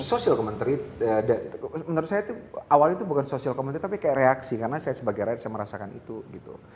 social commentary menurut saya itu awalnya itu bukan social community tapi kayak reaksi karena saya sebagai rakyat saya merasakan itu gitu